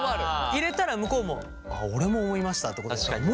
入れたら向こうも「俺も思いました」ってことで。